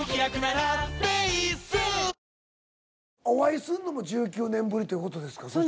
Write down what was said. お会いするのも１９年ぶりという事ですか？